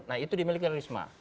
nah itu dimiliki risma